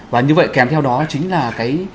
và như vậy kèm theo đó chính là cái